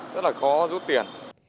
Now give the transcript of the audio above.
rất là khó rút tiền